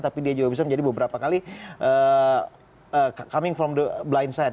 tapi dia juga bisa menjadi beberapa kali coming from the blind side